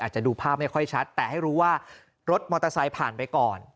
จะดูภาพไม่ค่อยชัดแต่ให้รู้ว่ารถมอเตอร์ไซค์ผ่านไปก่อน